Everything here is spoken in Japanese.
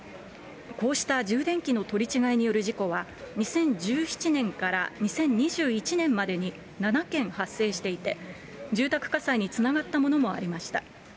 こうした充電器の取り違いによる事故は、２０１７年から２０２１年までに７件発生していて、住宅火災につながったものもありました。